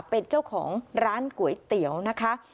เป็นเจ้าของร้านก๋วยเตี๋ยวนะคะ